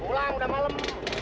pulang udah malem